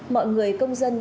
mọi người công dân